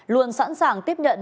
luôn sẵn sàng tiếp nhận